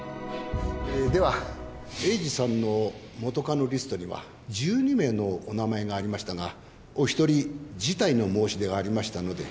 えでは栄治さんの元カノリストには１２名のお名前がありましたがお一人辞退の申し出がありましたので。